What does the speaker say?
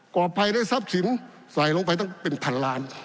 อภัยได้ทรัพย์สินใส่ลงไปตั้งเป็นพันล้าน